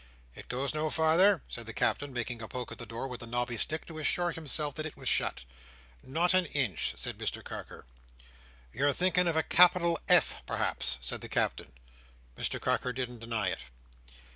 "It goes no farther?" said the Captain, making a poke at the door with the knobby stick to assure himself that it was shut. "Not an inch," said Mr Carker. "You're thinking of a capital F perhaps?" said the Captain. Mr Carker didn't deny it.